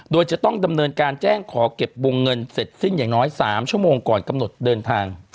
โดยจะต้องดำเนินการแจ้งขอเก็บวงเงินเสร็จสิ้นอย่างน้อย๓ชั่วโมงก่อนกำหนดเดินทาง